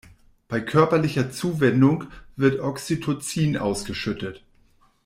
Bei körperlicher Zuwendung wird Oxytocin ausgeschüttet.